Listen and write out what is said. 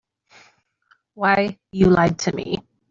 Why, you lied to me.